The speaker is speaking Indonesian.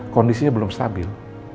kondisinya belum stabil